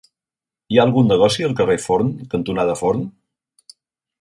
Hi ha algun negoci al carrer Forn cantonada Forn?